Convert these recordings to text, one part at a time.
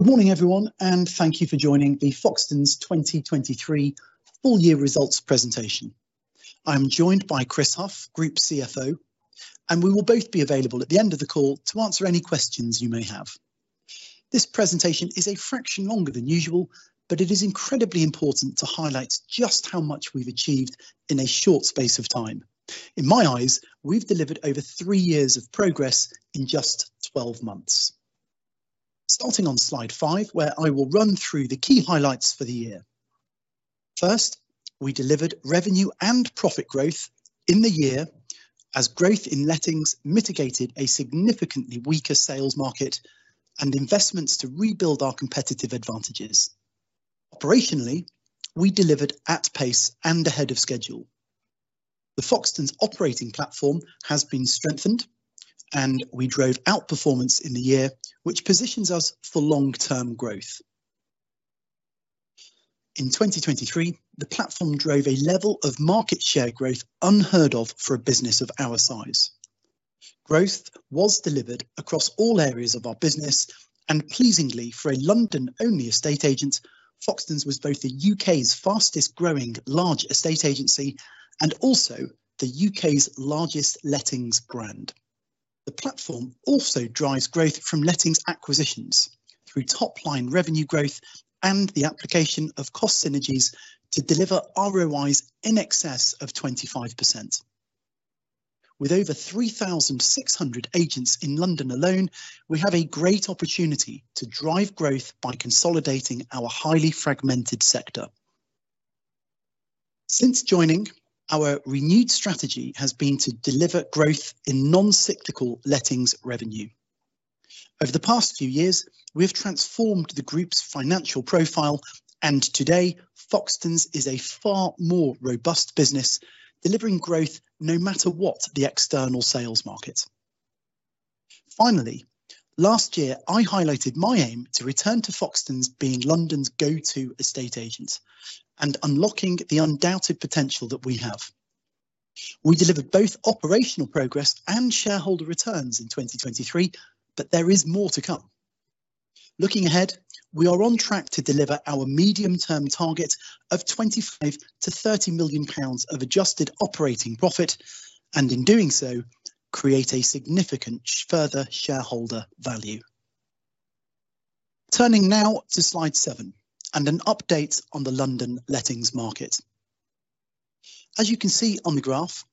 Good morning, everyone, and thank you for joining the Foxtons 2023 Full-Year Results Presentation. I'm joined by Chris Hough, Group CFO, and we will both be available at the end of the call to answer any questions you may have. This presentation is a fraction longer than usual, but it is incredibly important to highlight just how much we've achieved in a short space of time. In my eyes, we've delivered over 3 years of progress in just 12 months. Starting on Slide 5, where I will run through the key highlights for the year. First, we delivered revenue and profit growth in the year as growth in lettings mitigated a significantly weaker sales market and investments to rebuild our competitive advantages. Operationally, we delivered at pace and ahead of schedule. The Foxtons operating platform has been strengthened, and we drove outperformance in the year, which positions us for long-term growth. In 2023, the platform drove a level of market share growth unheard of for a business of our size. Growth was delivered across all areas of our business, and pleasingly, for a London-only estate agent, Foxtons was both the U.K.'s fastest-growing large estate agency and also the U.K.'s largest lettings brand. The platform also drives growth from lettings acquisitions through top-line revenue growth and the application of cost synergies to deliver ROIs in excess of 25%. With over 3,600 agents in London alone, we have a great opportunity to drive growth by consolidating our highly fragmented sector. Since joining, our renewed strategy has been to deliver growth in non-cyclical lettings revenue. Over the past few years, we have transformed the group's financial profile, and today, Foxtons is a far more robust business delivering growth no matter what the external sales market. Finally, last year, I highlighted my aim to return to Foxtons being London's go-to estate agent and unlocking the undoubted potential that we have. We delivered both operational progress and shareholder returns in 2023, but there is more to come. Looking ahead, we are on track to deliver our medium-term target of 25 million-30 million pounds of Adjusted Operating Profit and, in doing so, create a significant further shareholder value. Turning now to Slide 7 and an update on the London lettings market. As you can see on the graph,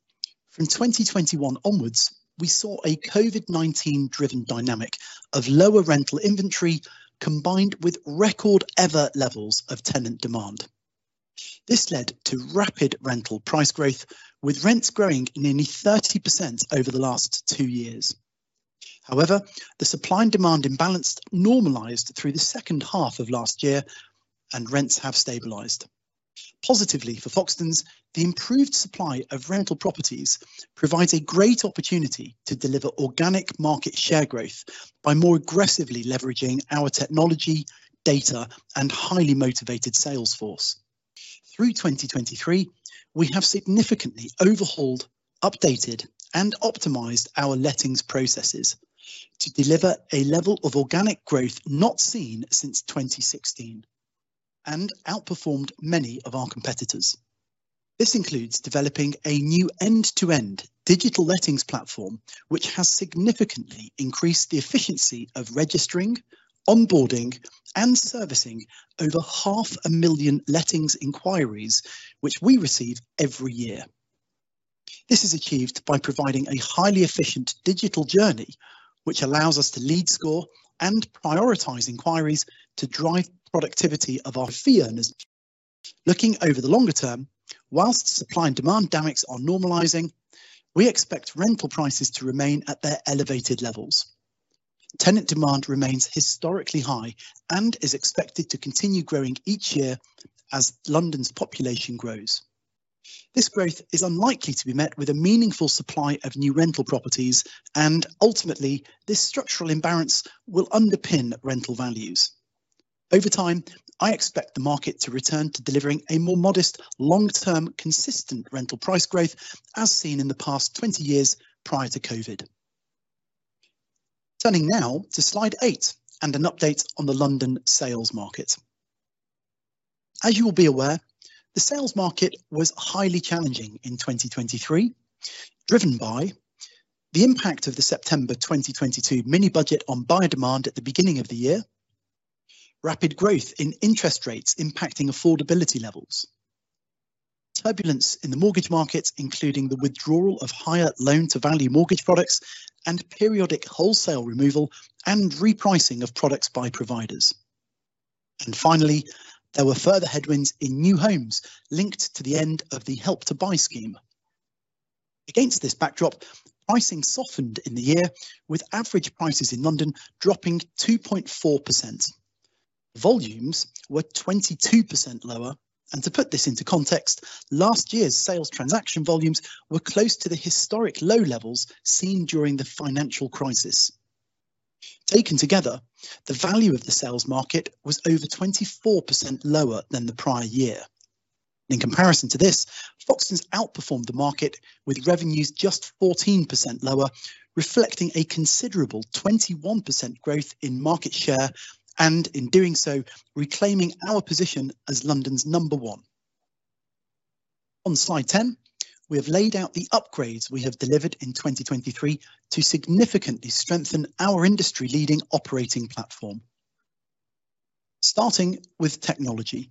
from 2021 onwards, we saw a COVID-19-driven dynamic of lower rental inventory combined with record-ever levels of tenant demand. This led to rapid rental price growth, with rents growing nearly 30% over the last 2 years. However, the supply and demand imbalance normalized through the second half of last year, and rents have stabilized. Positively for Foxtons, the improved supply of rental properties provides a great opportunity to deliver organic market share growth by more aggressively leveraging our technology, data, and highly motivated salesforce. Through 2023, we have significantly overhauled, updated, and optimized our lettings processes to deliver a level of organic growth not seen since 2016 and outperformed many of our competitors. This includes developing a new end-to-end digital lettings platform, which has significantly increased the efficiency of registering, onboarding, and servicing over 500,000 lettings inquiries, which we receive every year. This is achieved by providing a highly efficient digital journey, which allows us to lead score and prioritize inquiries to drive productivity of our fee earners. Looking over the longer term, while supply and demand dynamics are normalizing, we expect rental prices to remain at their elevated levels. Tenant demand remains historically high and is expected to continue growing each year as London's population grows. This growth is unlikely to be met with a meaningful supply of new rental properties, and ultimately, this structural imbalance will underpin rental values. Over time, I expect the market to return to delivering a more modest, long-term, consistent rental price growth as seen in the past 20 years prior to COVID. Turning now to Slide 8 and an update on the London sales market. As you will be aware, the sales market was highly challenging in 2023, driven by the impact of the September 2022 mini-budget on buyer demand at the beginning of the year. Rapid growth in interest rates impacting affordability levels. Turbulence in the mortgage market, including the withdrawal of higher loan-to-value mortgage products and periodic wholesale removal and repricing of products by providers. And finally, there were further headwinds in new homes linked to the end of the Help to Buy scheme. Against this backdrop, pricing softened in the year, with average prices in London dropping 2.4%. Volumes were 22% lower. To put this into context, last year's sales transaction volumes were close to the historic low levels seen during the financial crisis. Taken together, the value of the sales market was over 24% lower than the prior year. In comparison to this, Foxtons outperformed the market with revenues just 14% lower, reflecting a considerable 21% growth in market share and, in doing so, reclaiming our position as London's number one. On Slide 10, we have laid out the upgrades we have delivered in 2023 to significantly strengthen our industry-leading operating platform. Starting with technology,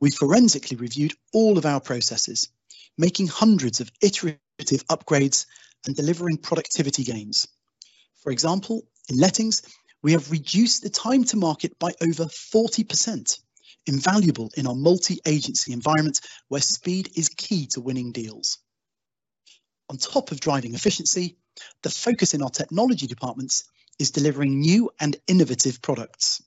we forensically reviewed all of our processes, making hundreds of iterative upgrades and delivering productivity gains. For example, in lettings, we have reduced the time to market by over 40%, invaluable in our multi-agency environment where speed is key to winning deals. On top of driving efficiency, the focus in our technology departments is delivering new and innovative products.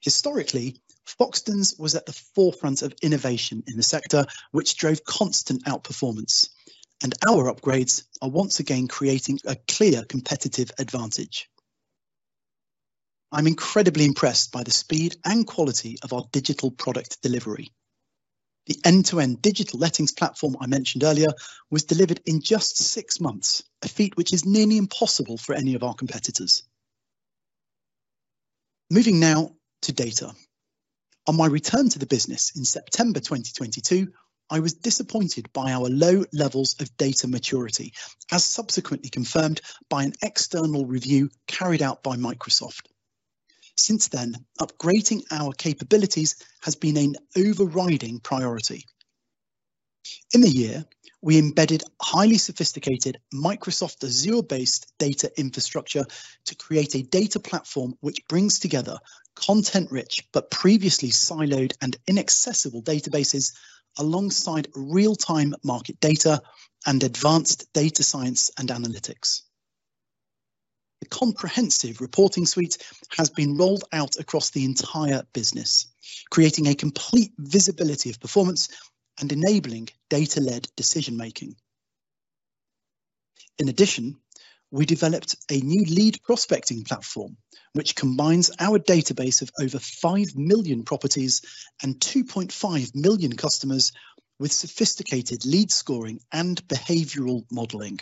Historically, Foxtons was at the forefront of innovation in the sector, which drove constant outperformance, and our upgrades are once again creating a clear competitive advantage. I'm incredibly impressed by the speed and quality of our digital product delivery. The end-to-end digital lettings platform I mentioned earlier was delivered in just 6 months, a feat which is nearly impossible for any of our competitors. Moving now to data. On my return to the business in September 2022, I was disappointed by our low levels of data maturity, as subsequently confirmed by an external review carried out by Microsoft. Since then, upgrading our capabilities has been an overriding priority. In the year, we embedded highly sophisticated Microsoft Azure-based data infrastructure to create a data platform which brings together content-rich but previously siloed and inaccessible databases alongside real-time market data and advanced data science and analytics. The comprehensive reporting suite has been rolled out across the entire business, creating a complete visibility of performance and enabling data-led decision-making. In addition, we developed a new lead prospecting platform which combines our database of over 5 million properties and 2.5 million customers with sophisticated lead scoring and behavioral modeling.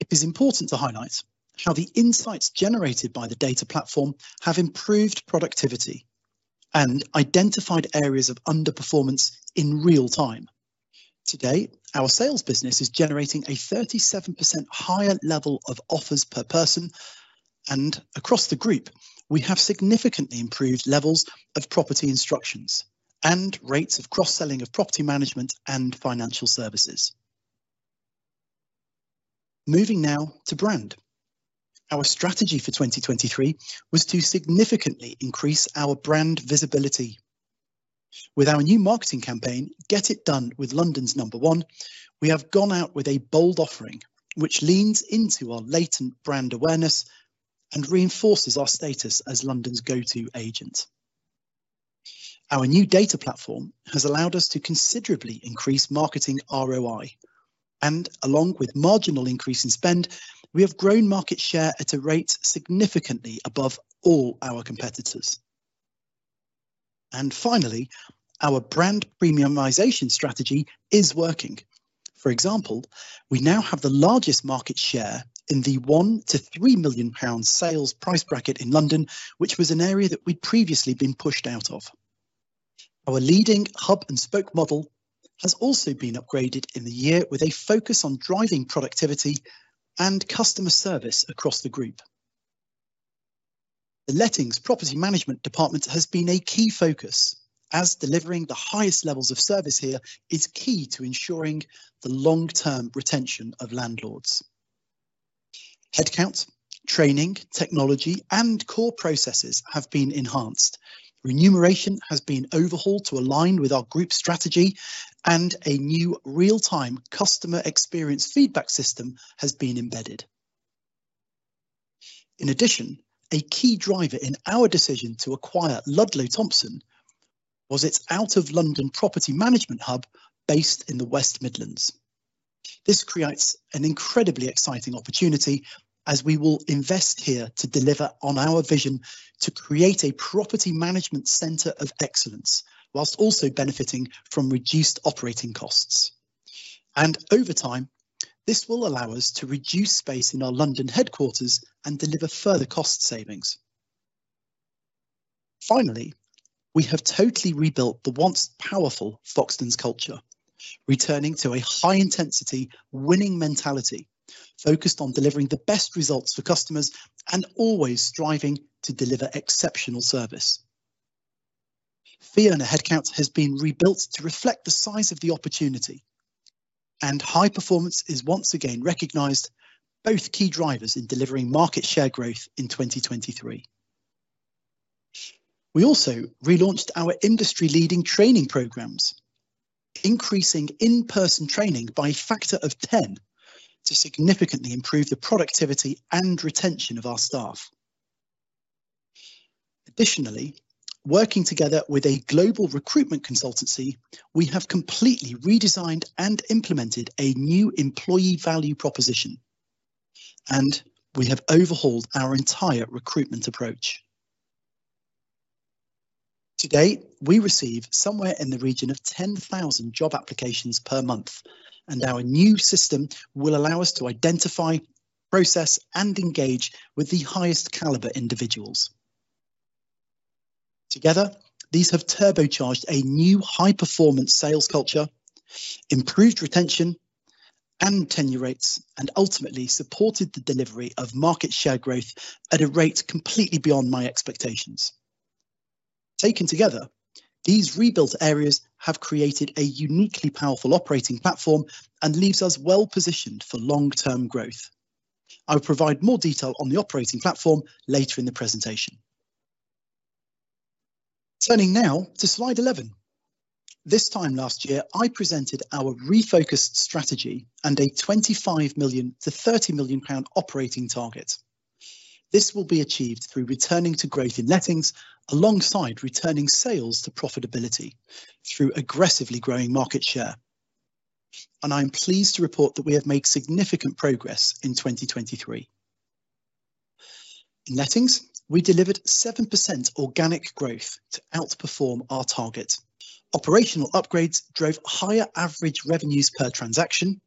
It is important to highlight how the insights generated by the data platform have improved productivity and identified areas of underperformance in real time. Today, our sales business is generating a 37% higher level of offers per person, and across the group, we have significantly improved levels of property instructions and rates of cross-selling of property management and Financial Services. Moving now to brand. Our strategy for 2023 was to significantly increase our brand visibility. With our new marketing campaign, Get It Done with London's Number One, we have gone out with a bold offering which leans into our latent brand awareness and reinforces our status as London's go-to agent. Our new data platform has allowed us to considerably increase marketing ROI, and along with marginal increase in spend, we have grown market share at a rate significantly above all our competitors. Finally, our brand premiumization strategy is working. For example, we now have the largest market share in the 1 million-3 million pound sales price bracket in London, which was an area that we'd previously been pushed out of. Our leading Hub and Spoke Model has also been upgraded in the year with a focus on driving productivity and customer service across the group. The lettings property management department has been a key focus, as delivering the highest levels of service here is key to ensuring the long-term retention of landlords. Headcount, training, technology, and core processes have been enhanced. Remuneration has been overhauled to align with our group strategy, and a new real-time customer experience feedback system has been embedded. In addition, a key driver in our decision to acquire Ludlow Thompson was its out-of-London property management hub based in the West Midlands. This creates an incredibly exciting opportunity, as we will invest here to deliver on our vision to create a property management centre of excellence while also benefiting from reduced operating costs. And over time, this will allow us to reduce space in our London headquarters and deliver further cost savings. Finally, we have totally rebuilt the once-powerful Foxtons culture, returning to a high-intensity winning mentality focused on delivering the best results for customers and always striving to deliver exceptional service. Fee earner headcount has been rebuilt to reflect the size of the opportunity, and high performance is once again recognized, both key drivers in delivering market share growth in 2023. We also relaunched our industry-leading training programs, increasing in-person training by a factor of 10 to significantly improve the productivity and retention of our staff. Additionally, working together with a global recruitment consultancy, we have completely redesigned and implemented a new employee value proposition, and we have overhauled our entire recruitment approach. Today, we receive somewhere in the region of 10,000 job applications per month, and our new system will allow us to identify, process, and engage with the highest caliber individuals. Together, these have turbocharged a new high-performance sales culture, improved retention, and tenure rates, and ultimately supported the delivery of market share growth at a rate completely beyond my expectations. Taken together, these rebuilt areas have created a uniquely powerful operating platform and leave us well-positioned for long-term growth. I will provide more detail on the operating platform later in the presentation. Turning now to Slide 11. This time last year, I presented our refocused strategy and a 25 million-30 million pound operating target. This will be achieved through returning to growth in lettings alongside returning sales to profitability through aggressively growing market share. I am pleased to report that we have made significant progress in 2023. In lettings, we delivered 7% organic growth to outperform our target. Operational upgrades drove higher average revenues per transaction,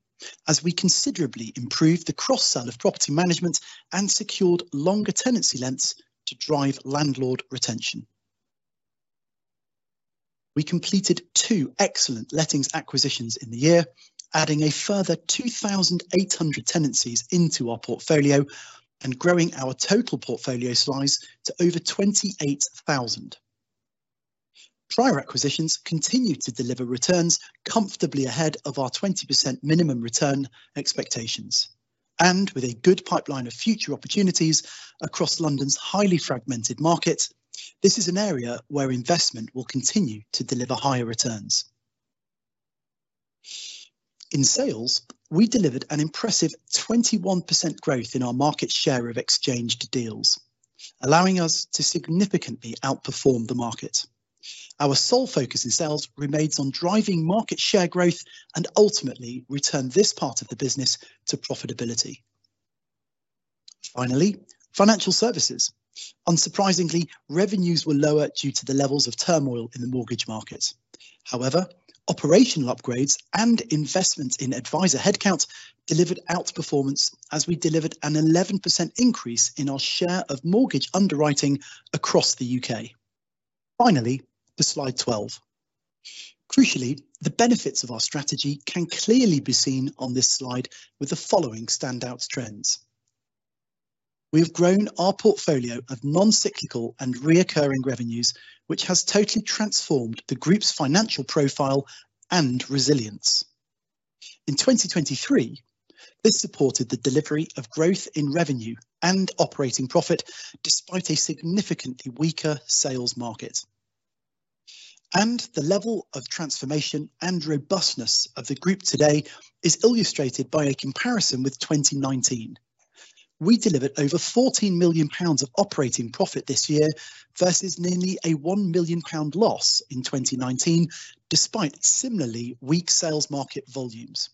as we considerably improved the cross-sell of property management and secured longer tenancy lengths to drive landlord retention. We completed two excellent lettings acquisitions in the year, adding a further 2,800 tenancies into our portfolio and growing our total portfolio size to over 28,000. Prior acquisitions continue to deliver returns comfortably ahead of our 20% minimum return expectations, and with a good pipeline of future opportunities across London's highly fragmented market, this is an area where investment will continue to deliver higher returns. In sales, we delivered an impressive 21% growth in our market share of exchanged deals, allowing us to significantly outperform the market. Our sole focus in sales remains on driving market share growth and ultimately return this part of the business to profitability. Finally, Financial Services. Unsurprisingly, revenues were lower due to the levels of turmoil in the mortgage market. However, operational upgrades and investment in advisor headcount delivered outperformance, as we delivered an 11% increase in our share of mortgage underwriting across the UK. Finally, to Slide 12. Crucially, the benefits of our strategy can clearly be seen on this slide with the following standout trends. We have grown our portfolio of non-cyclical and reoccurring revenues, which has totally transformed the group's financial profile and resilience. In 2023, this supported the delivery of growth in revenue and operating profit despite a significantly weaker sales market. The level of transformation and robustness of the group today is illustrated by a comparison with 2019. We delivered over 14 million pounds of operating profit this year versus nearly a 1 million pound loss in 2019 despite similarly weak sales market volumes.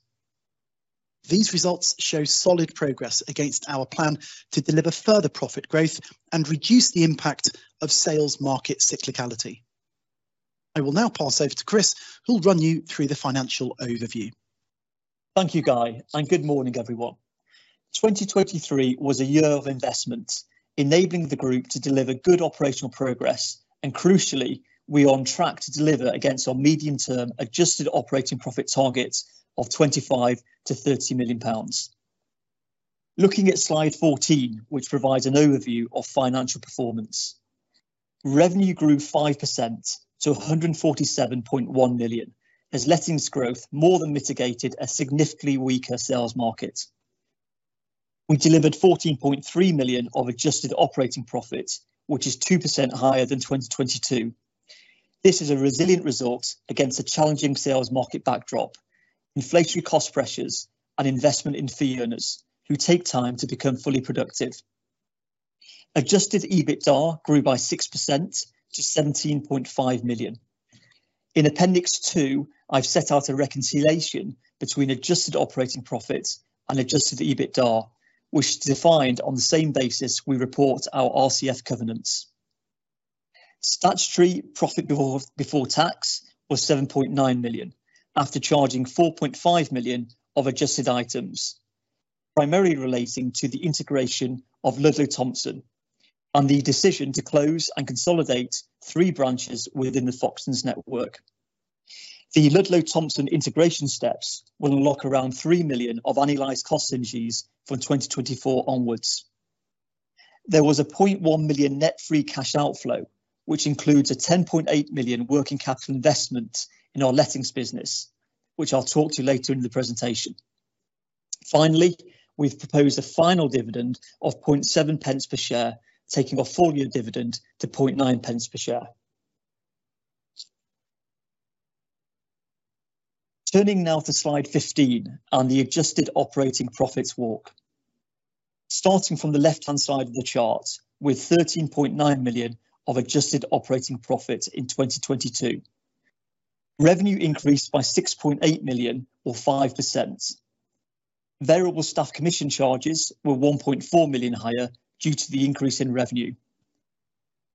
These results show solid progress against our plan to deliver further profit growth and reduce the impact of sales market cyclicality. I will now pass over to Chris, who'll run you through the financial overview. Thank you, Guy, and good morning, everyone. 2023 was a year of investments, enabling the group to deliver good operational progress, and crucially, we are on track to deliver against our medium-term Adjusted Operating Profit target of 25 million-30 million pounds. Looking at Slide 14, which provides an overview of financial performance. Revenue grew 5% to 147.1 million, as lettings growth more than mitigated a significantly weaker sales market. We delivered 14.3 million of Adjusted Operating Profit, which is 2% higher than 2022. This is a resilient result against a challenging sales market backdrop, inflationary cost pressures, and investment in fee earners who take time to become fully productive. Adjusted EBITDA grew by 6% to 17.5 million. In Appendix 2, I've set out a reconciliation between Adjusted Operating Profit and Adjusted EBITDA, which is defined on the same basis we report our RCF covenants. Statutory profit before tax was 7.9 million after charging 4.5 million of adjusted items, primarily relating to the integration of Ludlow Thompson and the decision to close and consolidate three branches within the Foxtons network. The Ludlow Thompson integration steps will unlock around 3 million of annualized cost savings from 2024 onwards. There was a 0.1 million net free cash outflow, which includes a 10.8 million working capital investment in our lettings business, which I'll talk to later in the presentation. Finally, we've proposed a final dividend of 0.007 per share, taking the full-year dividend to 0.009 per share. Turning now to Slide 15 and the adjusted operating profits walk. Starting from the left-hand side of the chart with 13.9 million of adjusted operating profit in 2022. Revenue increased by 6.8 million or 5%. Variable staff commission charges were 1.4 million higher due to the increase in revenue.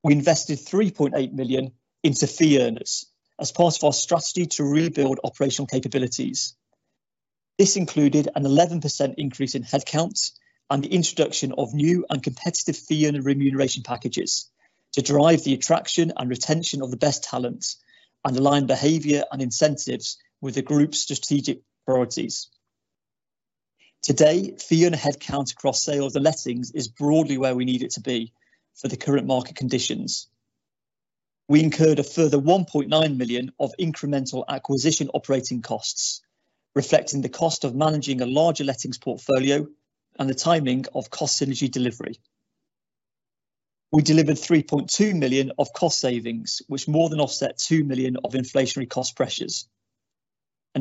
We invested 3.8 million into fee earners as part of our strategy to rebuild operational capabilities. This included an 11% increase in headcount and the introduction of new and competitive fee earner remuneration packages to drive the attraction and retention of the best talent and align behavior and incentives with the group's strategic priorities. Today, fee earner headcount across sales and lettings is broadly where we need it to be for the current market conditions. We incurred a further 1.9 million of incremental acquisition operating costs, reflecting the cost of managing a larger lettings portfolio and the timing of cost synergy delivery. We delivered 3.2 million of cost savings, which more than offset 2 million of inflationary cost pressures.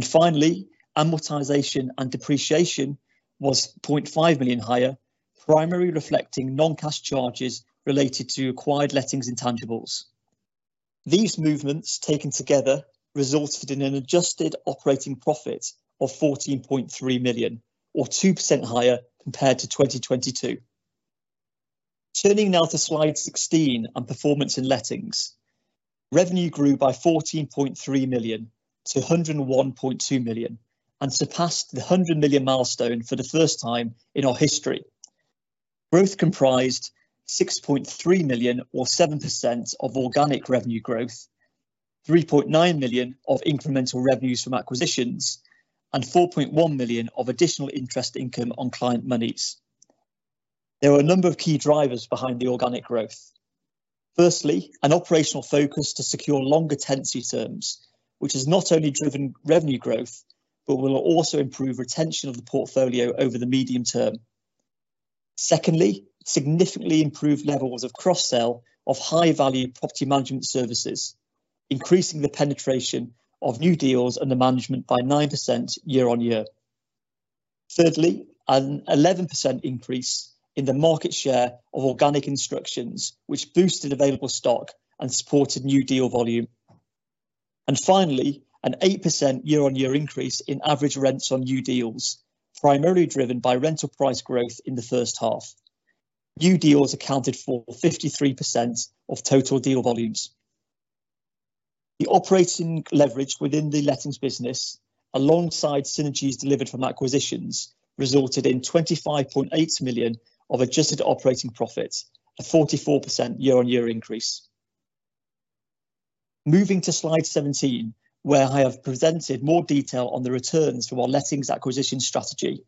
Finally, amortization and depreciation was 0.5 million higher, primarily reflecting non-cash charges related to acquired lettings intangibles. These movements taken together resulted in an adjusted operating profit of 14.3 million or 2% higher compared to 2022. Turning now to Slide 16 and performance in Lettings. Revenue grew by 14.3 million to 101.2 million and surpassed the 100 million milestone for the first time in our history. Growth comprised 6.3 million or 7% of organic revenue growth, 3.9 million of incremental revenues from acquisitions, and 4.1 million of additional interest income on client monies. There are a number of key drivers behind the organic growth. Firstly, an operational focus to secure longer tenancy terms, which has not only driven revenue growth but will also improve retention of the portfolio over the medium term. Secondly, significantly improved levels of cross-sell of high-value property management services, increasing the penetration of new deals and the management by 9% year-on-year. Thirdly, an 11% increase in the market share of organic instructions, which boosted available stock and supported new deal volume. And finally, an 8% year-on-year increase in average rents on new deals, primarily driven by rental price growth in the first half. New deals accounted for 53% of total deal volumes. The operating leverage within the lettings business, alongside synergies delivered from acquisitions, resulted in 25.8 million of adjusted operating profit, a 44% year-on-year increase. Moving to Slide 17, where I have presented more detail on the returns from our lettings acquisition strategy.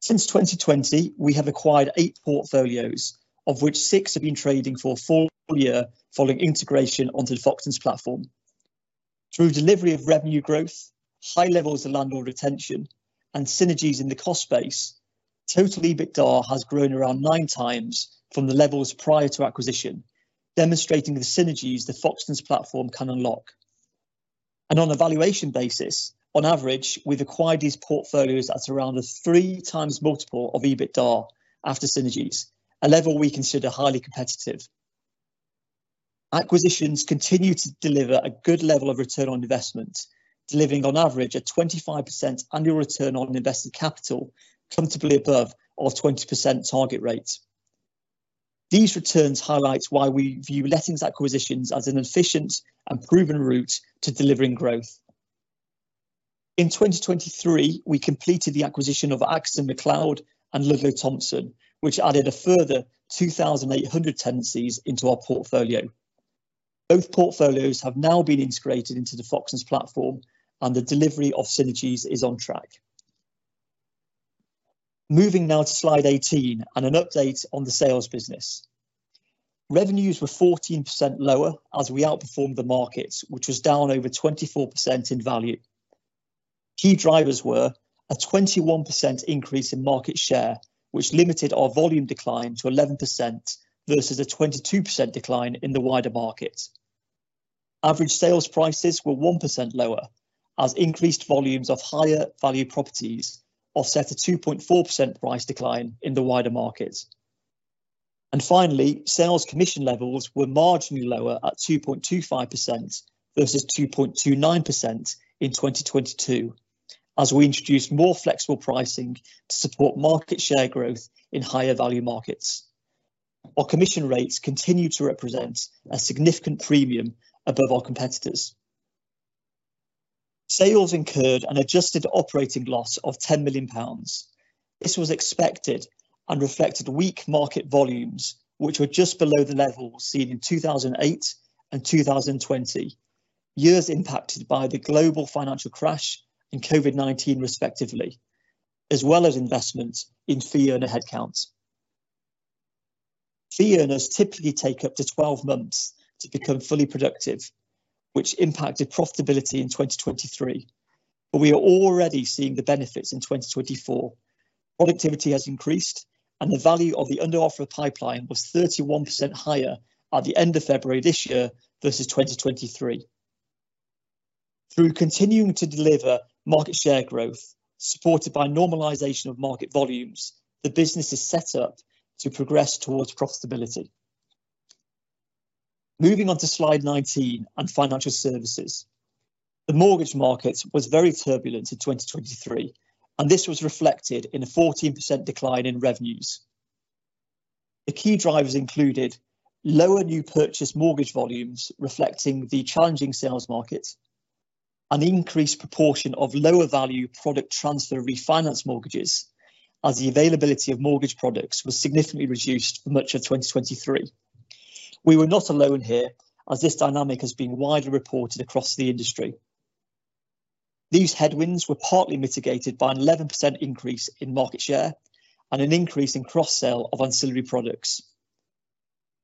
Since 2020, we have acquired eight portfolios, of which six have been trading for a full year following integration onto the Foxtons platform. Through delivery of revenue growth, high levels of landlord retention, and synergies in the cost space, total EBITDA has grown around 9x from the levels prior to acquisition, demonstrating the synergies the Foxtons platform can unlock. On evaluation basis, on average, we've acquired these portfolios at around a 3x multiple of EBITDA after synergies, a level we consider highly competitive. Acquisitions continue to deliver a good level of return on investment, delivering on average a 25% annual return on invested capital, comfortably above our 20% target rate. These returns highlight why we view lettings acquisitions as an efficient and proven route to delivering growth. In 2023, we completed the acquisition of Atkinson McLeod and Ludlow Thompson, which added a further 2,800 tenancies into our portfolio. Both portfolios have now been integrated into the Foxtons platform, and the delivery of synergies is on track. Moving now to Slide 18 and an update on the sales business. Revenues were 14% lower as we outperformed the markets, which was down over 24% in value. Key drivers were a 21% increase in market share, which limited our volume decline to 11% versus a 22% decline in the wider market. Average sales prices were 1% lower as increased volumes of higher-value properties offset a 2.4% price decline in the wider market. And finally, sales commission levels were marginally lower at 2.25% versus 2.29% in 2022, as we introduced more flexible pricing to support market share growth in higher-value markets. Our commission rates continue to represent a significant premium above our competitors. Sales incurred an adjusted operating loss of 10 million pounds. This was expected and reflected weak market volumes, which were just below the levels seen in 2008 and 2020, years impacted by the global financial crash and COVID-19, respectively, as well as investment in fee earner headcount. Fee earners typically take up to 12 months to become fully productive, which impacted profitability in 2023, but we are already seeing the benefits in 2024. Productivity has increased, and the value of the under-offer pipeline was 31% higher at the end of February this year versus 2023. Through continuing to deliver market share growth supported by normalization of market volumes, the business is set up to progress towards profitability. Moving on to Slide 19 and Financial Services. The mortgage market was very turbulent in 2023, and this was reflected in a 14% decline in revenues. The key drivers included lower new purchase mortgage volumes, reflecting the challenging sales market, and the increased proportion of lower-value product transfer refinance mortgages, as the availability of mortgage products was significantly reduced for much of 2023. We were not alone here, as this dynamic has been widely reported across the industry. These headwinds were partly mitigated by an 11% increase in market share and an increase in cross-sale of ancillary products.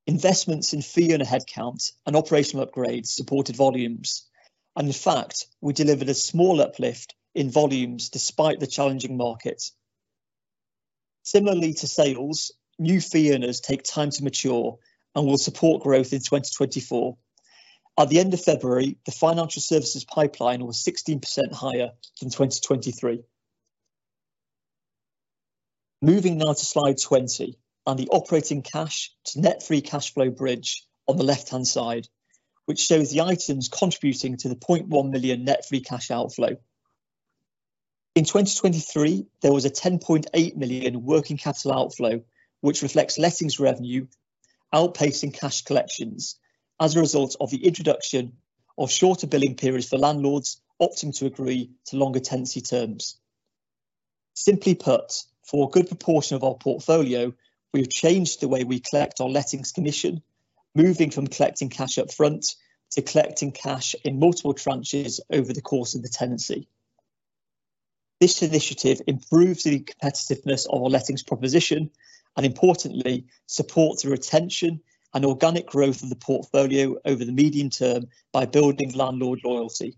Investments in fee earner headcount and operational upgrades supported volumes, and in fact, we delivered a small uplift in volumes despite the challenging market. Similarly to sales, new fee earners take time to mature and will support growth in 2024. At the end of February, the financial services pipeline was 16% higher than 2023. Moving now to Slide 20 and the operating cash to net free cash flow bridge on the left-hand side, which shows the items contributing to the 0.1 million net free cash outflow. In 2023, there was a 10.8 million working capital outflow, which reflects lettings revenue outpacing cash collections as a result of the introduction of shorter billing periods for landlords opting to agree to longer tenancy terms. Simply put, for a good proportion of our portfolio, we have changed the way we collect our lettings commission, moving from collecting cash upfront to collecting cash in multiple tranches over the course of the tenancy. This initiative improves the competitiveness of our lettings proposition and, importantly, supports the retention and organic growth of the portfolio over the medium term by building landlord loyalty.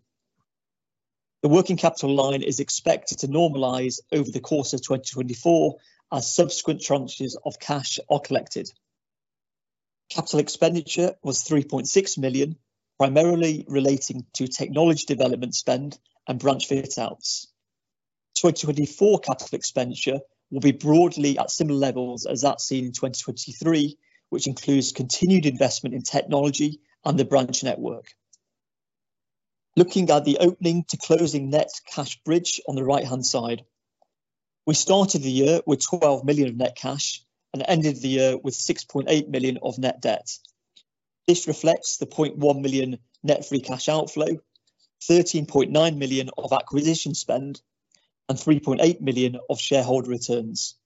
The working capital line is expected to normalize over the course of 2024 as subsequent tranches of cash are collected. Capital expenditure was 3.6 million, primarily relating to technology development spend and branch fit-outs. 2024 capital expenditure will be broadly at similar levels as that seen in 2023, which includes continued investment in technology and the branch network. Looking at the opening to closing net cash bridge on the right-hand side. We started the year with 12 million of net cash and ended the year with 6.8 million of net debt. This reflects the 0.1 million net free cash outflow, 13.9 million of acquisition spend, and 3.8 million of shareholder returns.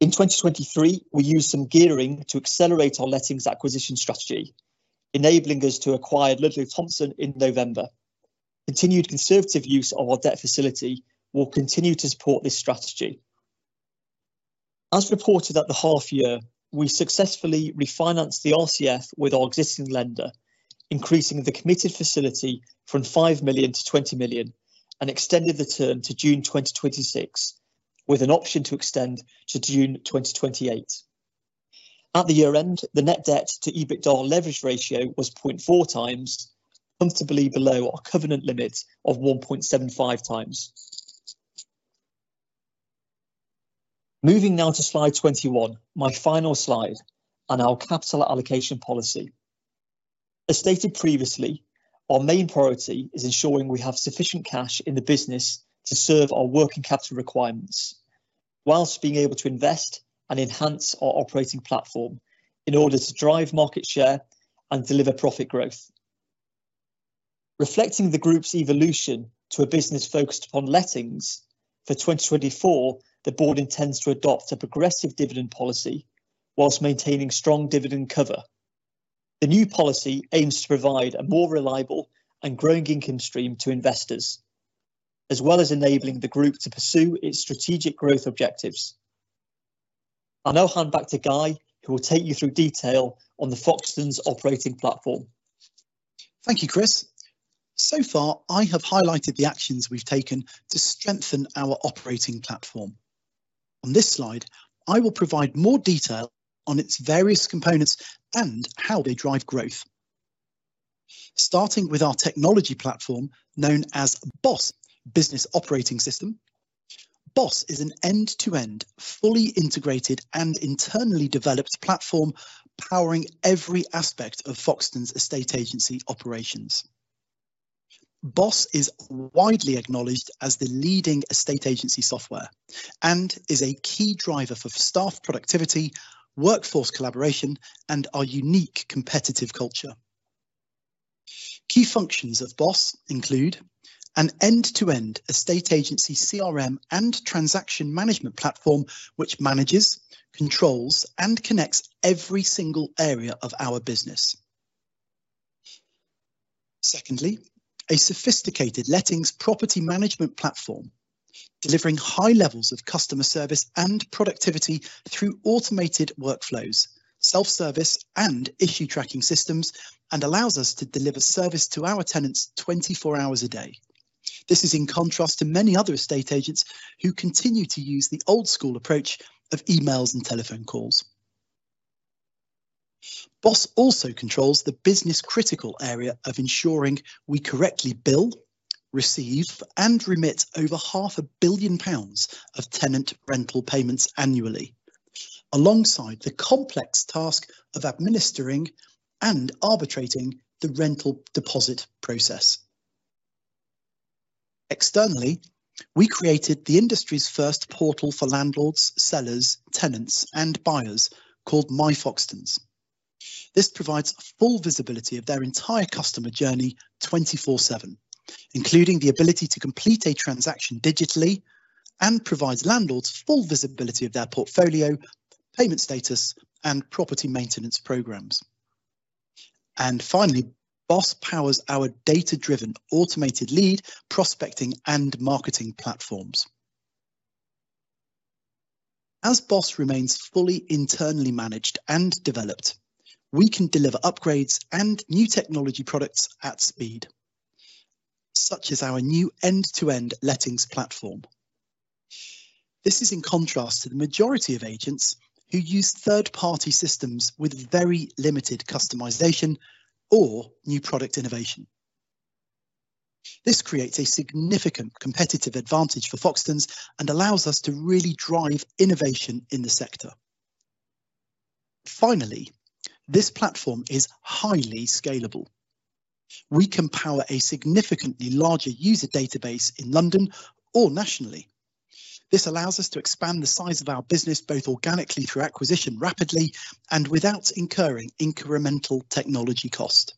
In 2023, we used some gearing to accelerate our lettings acquisition strategy, enabling us to acquire Ludlow Thompson in November. Continued conservative use of our debt facility will continue to support this strategy. As reported at the half-year, we successfully refinanced the RCF with our existing lender, increasing the committed facility from 5 million-20 million and extended the term to June 2026 with an option to extend to June 2028. At the year-end, the net debt to EBITDA leverage ratio was 0.4x, comfortably below our covenant limit of 1.75x. Moving now to Slide 21, my final slide, and our capital allocation policy. As stated previously, our main priority is ensuring we have sufficient cash in the business to serve our working capital requirements whilst being able to invest and enhance our operating platform in order to drive market share and deliver profit growth. Reflecting the group's evolution to a business focused upon lettings, for 2024, the board intends to adopt a progressive dividend policy whilst maintaining strong dividend cover. The new policy aims to provide a more reliable and growing income stream to investors, as well as enabling the group to pursue its strategic growth objectives. I'll now hand back to Guy, who will take you through detail on the Foxtons operating platform. Thank you, Chris. So far, I have highlighted the actions we've taken to strengthen our operating platform. On this slide, I will provide more detail on its various components and how they drive growth. Starting with our technology platform known as BOSS Business Operating System. BOSS is an end-to-end, fully integrated, and internally developed platform powering every aspect of Foxtons estate agency operations. BOSS is widely acknowledged as the leading estate agency software and is a key driver for staff productivity, workforce collaboration, and our unique competitive culture. Key functions of BOSS include an end-to-end estate agency CRM and transaction management platform, which manages, controls, and connects every single area of our business. Secondly, a sophisticated lettings property management platform delivering high levels of customer service and productivity through automated workflows, self-service, and issue tracking systems, and allows us to deliver service to our tenants 24 hours a day. This is in contrast to many other estate agents who continue to use the old-school approach of emails and telephone calls. BOSS also controls the business-critical area of ensuring we correctly bill, receive, and remit over 500 million pounds of tenant rental payments annually, alongside the complex task of administering and arbitrating the rental deposit process. Externally, we created the industry's first portal for landlords, sellers, tenants, and buyers called MyFoxtons. This provides full visibility of their entire customer journey 24/7, including the ability to complete a transaction digitally, and provides landlords full visibility of their portfolio, payment status, and property maintenance programs. And finally, BOSS powers our data-driven, automated lead, prospecting, and marketing platforms. As BOSS remains fully internally managed and developed, we can deliver upgrades and new technology products at speed, such as our new end-to-end lettings platform. This is in contrast to the majority of agents who use third-party systems with very limited customization or new product innovation. This creates a significant competitive advantage for Foxtons and allows us to really drive innovation in the sector. Finally, this platform is highly scalable. We can power a significantly larger user database in London or nationally. This allows us to expand the size of our business both organically through acquisition rapidly and without incurring incremental technology cost.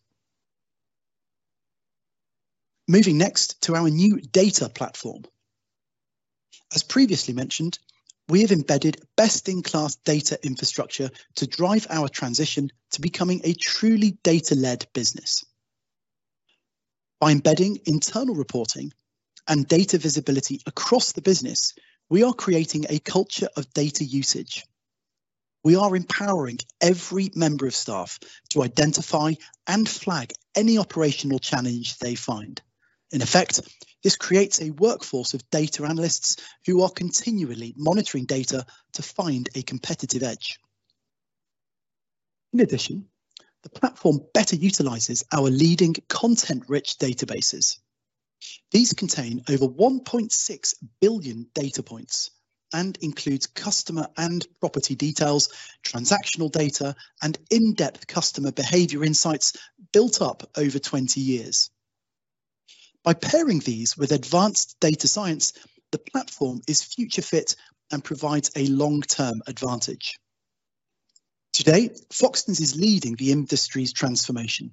Moving next to our new data platform. As previously mentioned, we have embedded best-in-class data infrastructure to drive our transition to becoming a truly data-led business. By embedding internal reporting and data visibility across the business, we are creating a culture of data usage. We are empowering every member of staff to identify and flag any operational challenge they find. In effect, this creates a workforce of data analysts who are continually monitoring data to find a competitive edge. In addition, the platform better utilizes our leading content-rich databases. These contain over 1.6 billion data points and include customer and property details, transactional data, and in-depth customer behavior insights built up over 20 years. By pairing these with advanced data science, the platform is future-fit and provides a long-term advantage. Today, Foxtons is leading the industry's transformation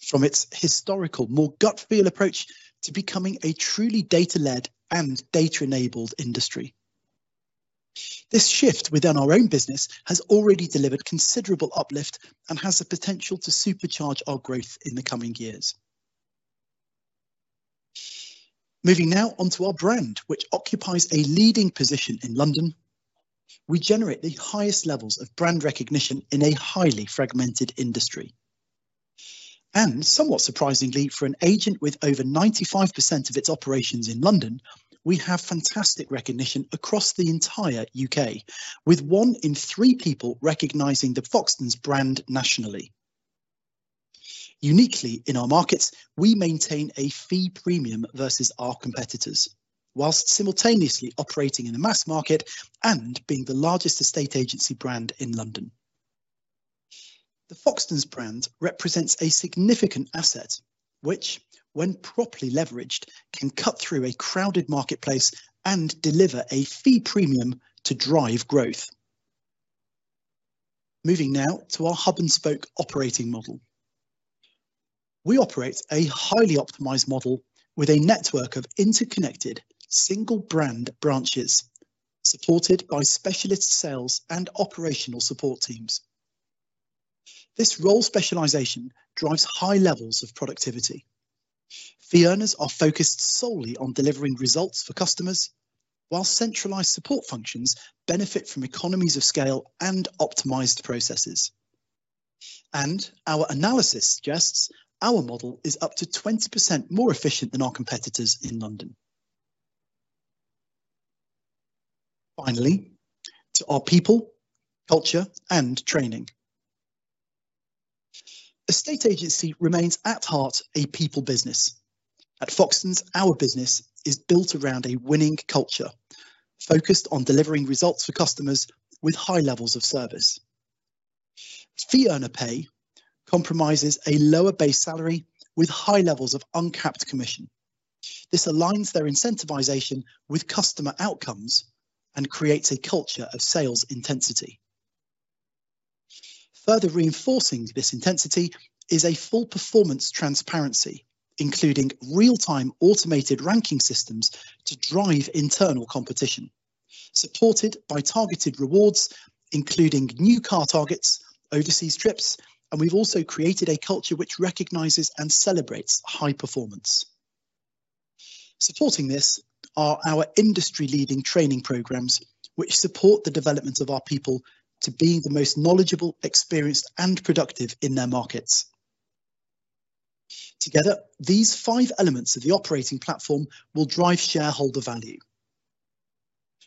from its historical, more gut-filled approach to becoming a truly data-led and data-enabled industry. This shift within our own business has already delivered considerable uplift and has the potential to supercharge our growth in the coming years. Moving now onto our brand, which occupies a leading position in London. We generate the highest levels of brand recognition in a highly fragmented industry. And somewhat surprisingly, for an agent with over 95% of its operations in London, we have fantastic recognition across the entire UK, with one in three people recognizing the Foxtons brand nationally. Uniquely in our markets, we maintain a fee premium versus our competitors while simultaneously operating in a mass market and being the largest estate agency brand in London. The Foxtons brand represents a significant asset which, when properly leveraged, can cut through a crowded marketplace and deliver a fee premium to drive growth. Moving now to our hub-and-spoke operating model. We operate a highly optimized model with a network of interconnected single-brand branches supported by specialist sales and operational support teams. This role specialization drives high levels of productivity. Fee earners are focused solely on delivering results for customers while centralized support functions benefit from economies of scale and optimized processes. Our analysis suggests our model is up to 20% more efficient than our competitors in London. Finally, to our people, culture, and training. Estate agency remains at heart a people business. At Foxtons, our business is built around a winning culture focused on delivering results for customers with high levels of service. Fee earner pay comprises a lower base salary with high levels of uncapped commission. This aligns their incentivization with customer outcomes and creates a culture of sales intensity. Further reinforcing this intensity is a full performance transparency, including real-time automated ranking systems to drive internal competition supported by targeted rewards, including new car targets, overseas trips, and we've also created a culture which recognizes and celebrates high performance. Supporting this are our industry-leading training programs which support the development of our people to be the most knowledgeable, experienced, and productive in their markets. Together, these five elements of the operating platform will drive shareholder value.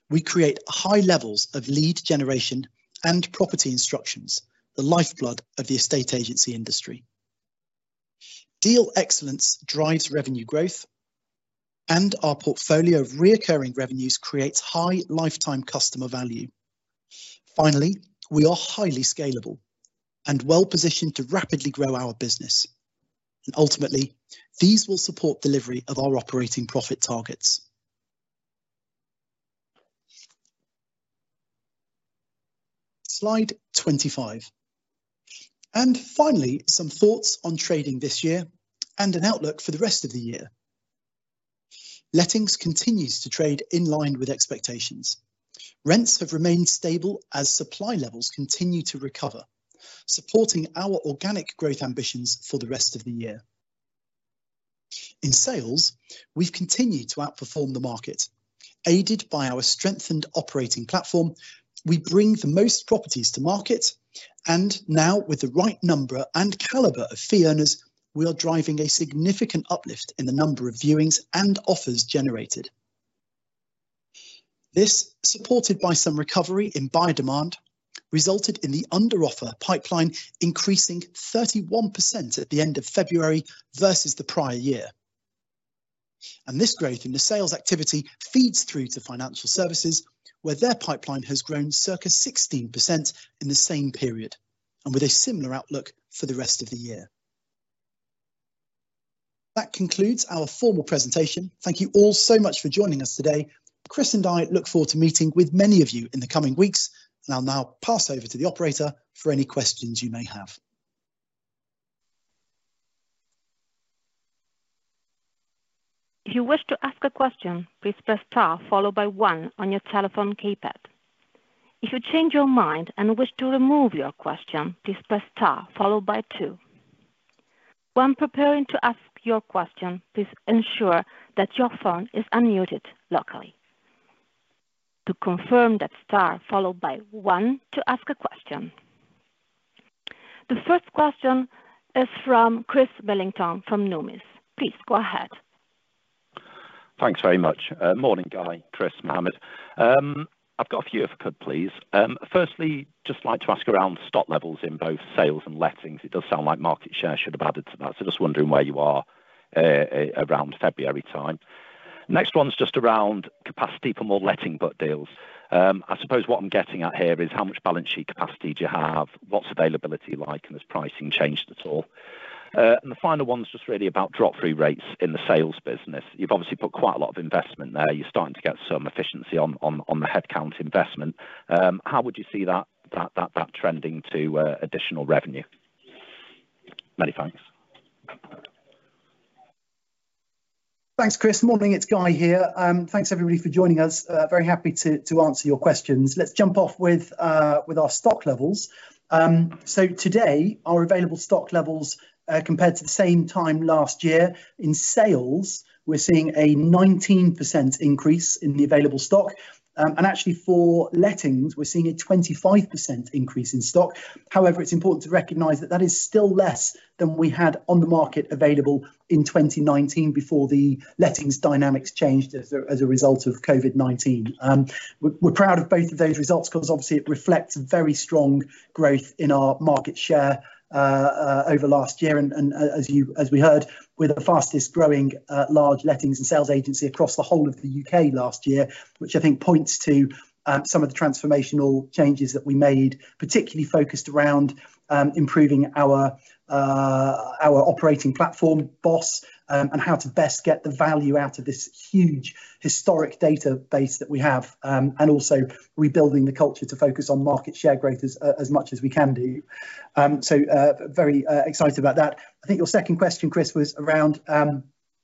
We create high levels of lead generation and property instructions, the lifeblood of the estate agency industry. Deal excellence drives revenue growth, and our portfolio of recurring revenues creates high lifetime customer value. Finally, we are highly scalable and well-positioned to rapidly grow our business. And ultimately, these will support delivery of our operating profit targets. Slide 25. Finally, some thoughts on trading this year and an outlook for the rest of the year. Lettings continues to trade in line with expectations. Rents have remained stable as supply levels continue to recover, supporting our organic growth ambitions for the rest of the year. In Sales, we've continued to outperform the market. Aided by our strengthened operating platform, we bring the most properties to market, and now, with the right number and caliber of fee earners, we are driving a significant uplift in the number of viewings and offers generated. This, supported by some recovery in buyer demand, resulted in the under-offer pipeline increasing 31% at the end of February versus the prior year. This growth in the Sales activity feeds through to Financial Services, where their pipeline has grown circa 16% in the same period and with a similar outlook for the rest of the year. That concludes our formal presentation. Thank you all so much for joining us today. Chris and I look forward to meeting with many of you in the coming weeks, and I'll now pass over to the operator for any questions you may have. If you wish to ask a question, please press * followed by 1 on your telephone keypad. If you change your mind and wish to remove your question, please press * followed by 2. When preparing to ask your question, please ensure that your phone is unmuted locally. To confirm that * followed by 1 to ask a question. The first question is from Chris Millington from Numis. Please go ahead. Thanks very much. Morning, Guy, Chris, Muhammad. I've got a few if I could, please. Firstly, just like to ask around stock levels in both sales and lettings. It does sound like market share should have added to that, so just wondering where you are around February time. Next one's just around capacity for more letting book deals. I suppose what I'm getting at here is how much balance sheet capacity do you have, what's availability like, and has pricing changed at all. And the final one's just really about drop-off rates in the sales business. You've obviously put quite a lot of investment there. You're starting to get some efficiency on the headcount investment. How would you see that trending to additional revenue? Many thanks. Thanks, Chris. Morning. It's Guy here. Thanks, everybody, for joining us. Very happy to answer your questions. Let's jump off with our stock levels. So today, our available stock levels compared to the same time last year, in sales, we're seeing a 19% increase in the available stock. And actually, for lettings, we're seeing a 25% increase in stock. However, it's important to recognize that that is still less than we had on the market available in 2019 before the lettings dynamics changed as a result of COVID-19. We're proud of both of those results because, obviously, it reflects very strong growth in our market share over last year. As we heard, we're the fastest-growing large lettings and sales agency across the whole of the UK last year, which I think points to some of the transformational changes that we made, particularly focused around improving our operating platform, BOSS, and how to best get the value out of this huge historic database that we have and also rebuilding the culture to focus on market share growth as much as we can do. Very excited about that. I think your second question, Chris, was around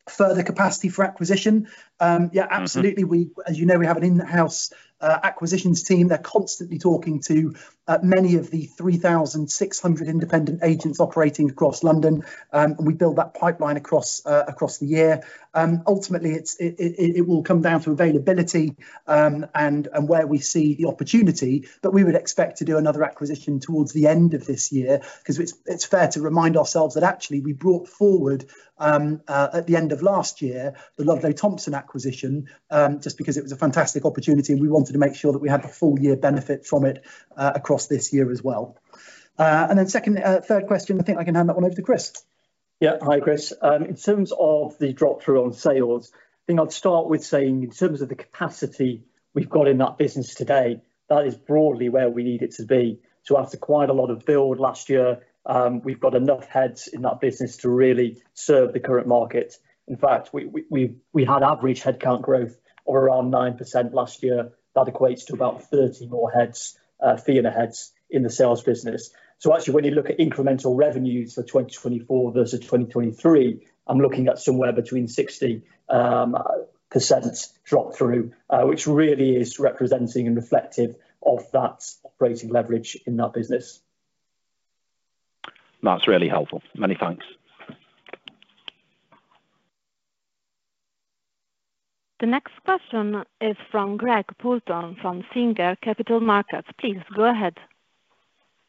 further capacity for acquisition. Yeah, absolutely. As you know, we have an in-house acquisitions team. They're constantly talking to many of the 3,600 independent agents operating across London, and we build that pipeline across the year. Ultimately, it will come down to availability and where we see the opportunity, but we would expect to do another acquisition towards the end of this year because it's fair to remind ourselves that actually, we brought forward at the end of last year the Ludlow Thompson acquisition just because it was a fantastic opportunity, and we wanted to make sure that we had the full-year benefit from it across this year as well. And then third question, I think I can hand that one over to Chris. Yeah. Hi, Chris. In terms of the drop-through on sales, I think I'd start with saying, in terms of the capacity we've got in that business today, that is broadly where we need it to be. So after quite a lot of build last year, we've got enough heads in that business to really serve the current market. In fact, we had average headcount growth of around 9% last year. That equates to about 30 more fee earner heads in the sales business. So actually, when you look at incremental revenues for 2024 versus 2023, I'm looking at somewhere between 60% drop-through, which really is representing and reflective of that operating leverage in that business. That's really helpful. Many thanks. The next question is from Greg Poulton from Singer Capital Markets. Please go ahead.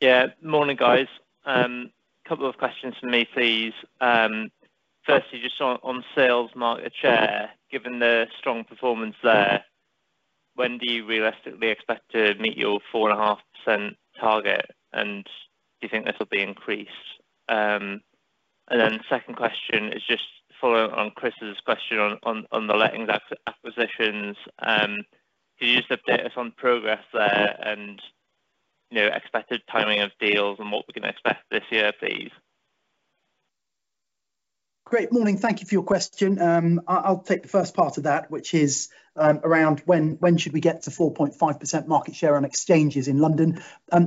Yeah. Morning, guys. Couple of questions for me, please. Firstly, just on sales market share, given the strong performance there, when do you realistically expect to meet your 4.5% target, and do you think this will be increased? And then second question is just following on Chris's question on the lettings acquisitions. Could you just update us on progress there and expected timing of deals and what we can expect this year, please? Good morning. Thank you for your question. I'll take the first part of that, which is around when should we get to 4.5% market share on exchanges in London.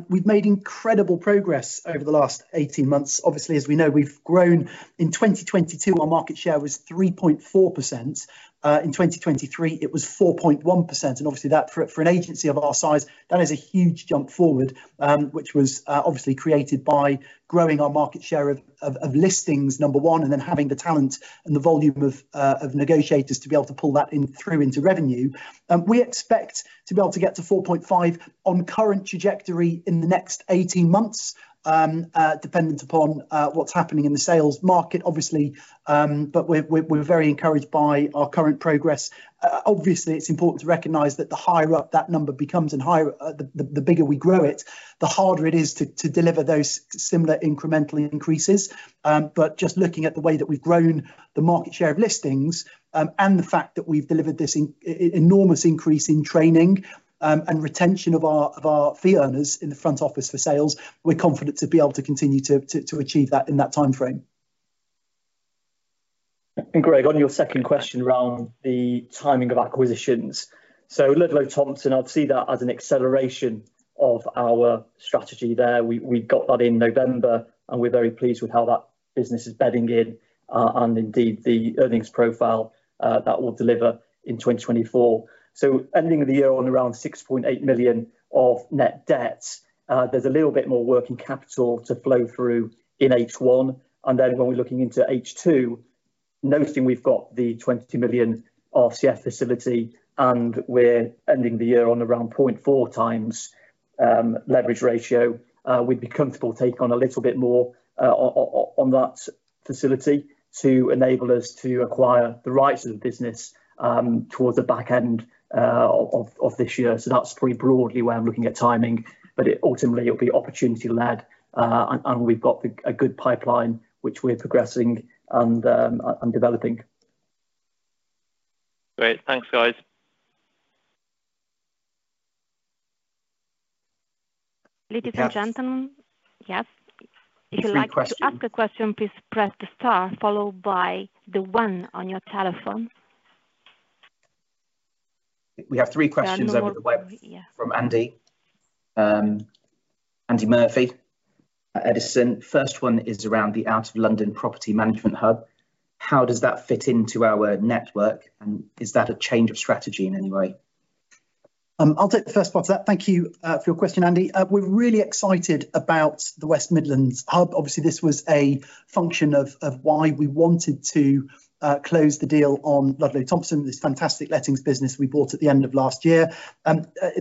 We've made incredible progress over the last 18 months. Obviously, as we know, we've grown. In 2022, our market share was 3.4%. In 2023, it was 4.1%. Obviously, for an agency of our size, that is a huge jump forward, which was obviously created by growing our market share of listings, number one, and then having the talent and the volume of negotiators to be able to pull that through into revenue. We expect to be able to get to 4.5% on current trajectory in the next 18 months, dependent upon what's happening in the sales market, obviously, but we're very encouraged by our current progress. Obviously, it's important to recognize that the higher up that number becomes and the bigger we grow it, the harder it is to deliver those similar incremental increases. But just looking at the way that we've grown the market share of listings and the fact that we've delivered this enormous increase in training and retention of our fee earners in the front office for sales, we're confident to be able to continue to achieve that in that timeframe. Greg, on your second question around the timing of acquisitions. Ludlow Thompson, I'd see that as an acceleration of our strategy there. We got that in November, and we're very pleased with how that business is bedding in and indeed the earnings profile that will deliver in 2024. Ending the year on around 6.8 million of net debt, there's a little bit more working capital to flow through in H1. Then when we're looking into H2, noting we've got the 20 million RCF facility and we're ending the year on around 0.4x leverage ratio, we'd be comfortable taking on a little bit more on that facility to enable us to acquire the rights of the business towards the back end of this year. That's pretty broadly where I'm looking at timing. Ultimately, it'll be opportunity-led, and we've got a good pipeline which we're progressing and developing. Great. Thanks, guys. Ladies and gentlemen, yes. If you'd like to ask a question, please press the star followed by the 1 on your telephone. We have three questions over the web from Andy. Andy Murphy at Edison. First one is around the Out of London Property Management Hub. How does that fit into our network, and is that a change of strategy in any way? I'll take the first part of that. Thank you for your question, Andy. We're really excited about the West Midlands hub. Obviously, this was a function of why we wanted to close the deal on Ludlow Thompson, this fantastic lettings business we bought at the end of last year,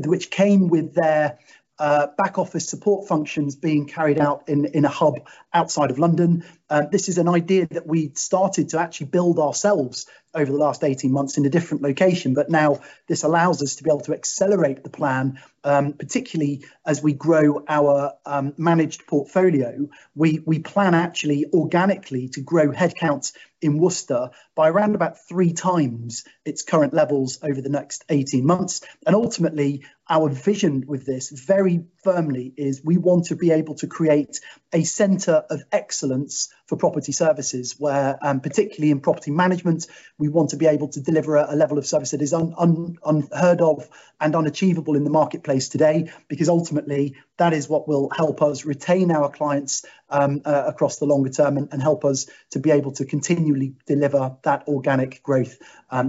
which came with their back-office support functions being carried out in a hub outside of London. This is an idea that we'd started to actually build ourselves over the last 18 months in a different location. But now, this allows us to be able to accelerate the plan, particularly as we grow our managed portfolio. We plan actually organically to grow headcounts in Worcester by around about three times its current levels over the next 18 months. And ultimately, our vision with this very firmly is we want to be able to create a center of excellence for property services, particularly in property management. We want to be able to deliver a level of service that is unheard of and unachievable in the marketplace today because ultimately, that is what will help us retain our clients across the longer term and help us to be able to continually deliver that organic growth,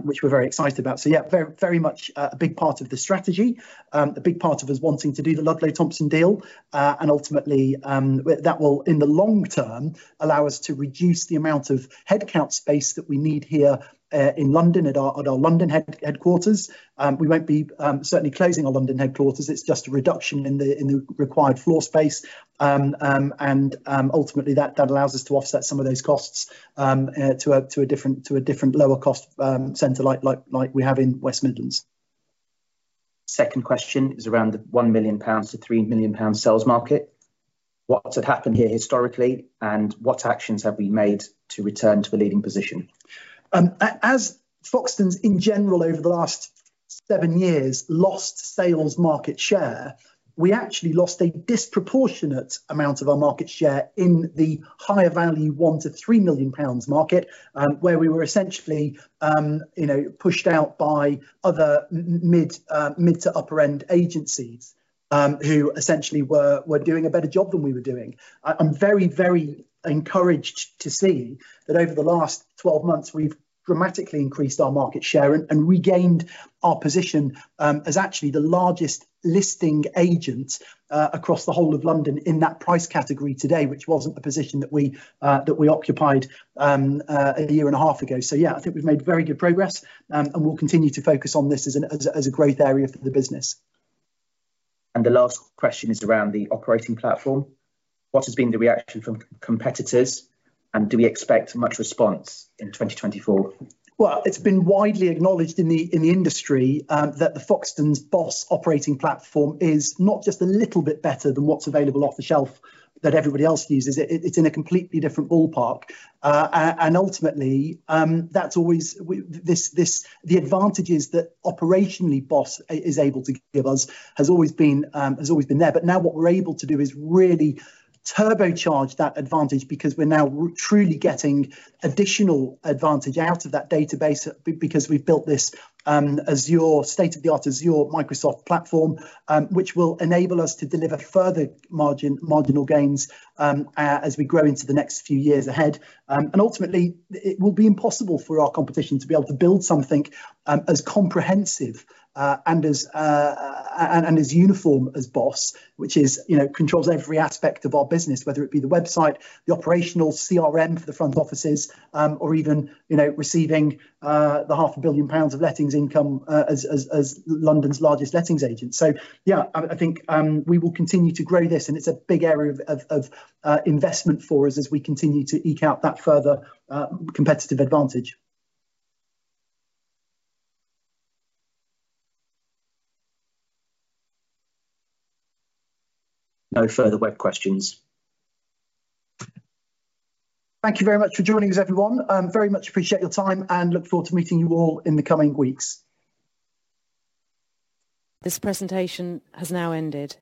which we're very excited about. So yeah, very much a big part of the strategy, a big part of us wanting to do the Ludlow Thompson deal. And ultimately, that will, in the long term, allow us to reduce the amount of headcount space that we need here in London at our London headquarters. We won't be certainly closing our London headquarters. It's just a reduction in the required floor space. Ultimately, that allows us to offset some of those costs to a different lower-cost center like we have in West Midlands. Second question is around the 1 million-3 million pounds sales market. What's had happened here historically, and what actions have we made to return to the leading position? As Foxtons, in general, over the last seven years lost sales market share, we actually lost a disproportionate amount of our market share in the higher-value 1 million-3 million pounds market, where we were essentially pushed out by other mid to upper-end agencies who essentially were doing a better job than we were doing. I'm very, very encouraged to see that over the last 12 months, we've dramatically increased our market share and regained our position as actually the largest listing agent across the whole of London in that price category today, which wasn't a position that we occupied a year and a half ago. So yeah, I think we've made very good progress, and we'll continue to focus on this as a growth area for the business. The last question is around the operating platform. What has been the reaction from competitors, and do we expect much response in 2024? Well, it's been widely acknowledged in the industry that the Foxtons BOSS operating platform is not just a little bit better than what's available off the shelf that everybody else uses. It's in a completely different ballpark. And ultimately, the advantages that operationally BOSS is able to give us has always been there. But now, what we're able to do is really turbocharge that advantage because we're now truly getting additional advantage out of that database because we've built this state-of-the-art Microsoft Azure platform, which will enable us to deliver further marginal gains as we grow into the next few years ahead. Ultimately, it will be impossible for our competition to be able to build something as comprehensive and as uniform as BOSS, which controls every aspect of our business, whether it be the website, the operational CRM for the front offices, or even receiving 500 million pounds of lettings income as London's largest lettings agent. So yeah, I think we will continue to grow this, and it's a big area of investment for us as we continue to eke out that further competitive advantage. No further web questions. Thank you very much for joining us, everyone. Very much appreciate your time, and look forward to meeting you all in the coming weeks. This presentation has now ended.